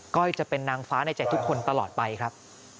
้อยจะเป็นนางฟ้าในใจทุกคนตลอดไปครับ